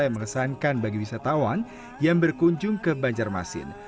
yang mengesankan bagi wisatawan yang berkunjung ke banjarmasin